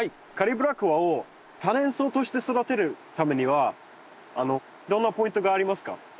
カリブラコアを多年草として育てるためにはどんなポイントがありますか？